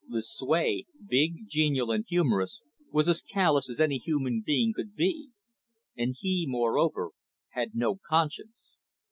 Lucue, big, genial, and humorous, was as callous as any human being could be. And he, moreover, had no conscience.